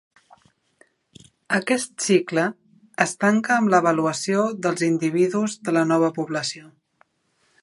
Aquest cicle es tanca amb l'avaluació dels individus de la nova població.